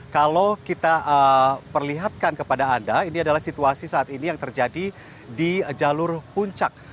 kalau kita perlihatkan kepada anda ini adalah situasi saat ini yang terjadi di jalur puncak